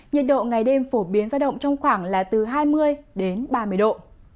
nhiệt độ ngày đêm phổ biến ra động trong khoảng là từ hai mươi đến ba mươi độ